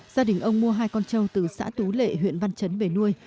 gia đình ông mua hai con trâu từ xã tú lệ huyện văn chấn về nuôi